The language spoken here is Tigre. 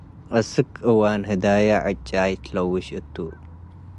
አስክ እዋን ህዳየ ዕጫይ ትለውሽ እቱ ።